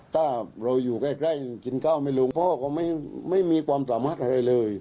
ถ้าเราอยู่ใกล้กินข้าวไม่ลงพ่อก็ไม่มีความสามารถอะไรเลย